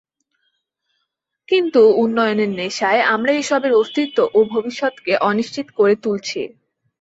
কিন্তু উন্নয়নের নেশায় আমরা এসবের অস্তিত্ব ও ভবিষ্যৎকে অনিশ্চিত করে তুলছি।